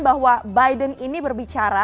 bahwa biden ini berbicara